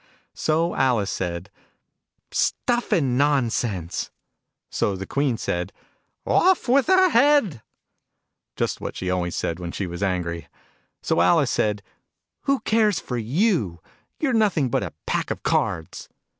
So Alice said " Stuff and nonsense !" So the Queen said " Off with her head !" (Just what she always said, when she was angry.) So Alice said " Who cares for you ? You're nothing but a pack of cards